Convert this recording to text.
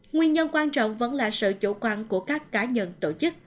nguyên nhân quan trọng vẫn là sự chủ quan của các cá nhân tổ chức